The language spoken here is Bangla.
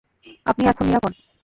আপনি এখান নিরাপদ।